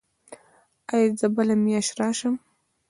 ایا زه بله میاشت راشم؟